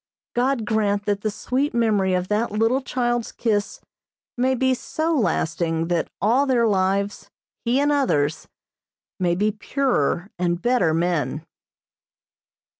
God grant that the sweet memory of that little child's kiss may be so lasting that all their lives, he and others, may be purer and better men.